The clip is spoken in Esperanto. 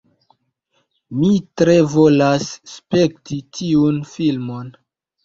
Mi tre volas spekti tiun filmon